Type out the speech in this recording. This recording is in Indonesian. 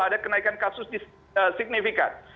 ada kenaikan kasus signifikan